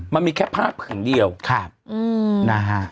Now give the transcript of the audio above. มันมีแค่ภาพอย่างเดียวครับอืมนะฮะ